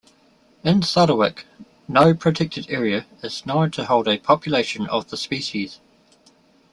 In Sarawak, no protected area is known to hold a population of the species.